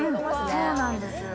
そうなんです。